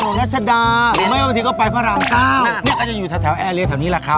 รัชดาหรือไม่บางทีก็ไปพระรามเก้าเนี่ยก็จะอยู่แถวแอร์เรียแถวนี้แหละครับ